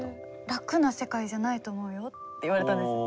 「楽な世界じゃないと思うよ」って言われたんですよ。